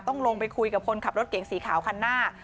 ต้องลงไปคุยกับคนขับรถเก๋งสีขาวคันหน้า